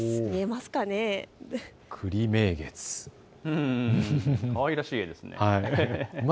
かわいらしい絵ですね。